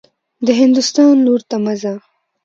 د هندوستان لور ته مه ځه.